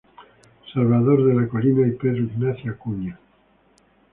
Salvador de la Colina y Pedro Ignacio Acuña.